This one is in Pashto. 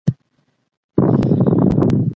د ایډیالوژۍ ناقصو لوستو د پرمختګ مخه ونیوله.